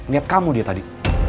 lihat kamu dia tadi